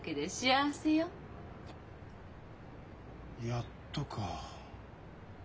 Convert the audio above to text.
「やっと」か。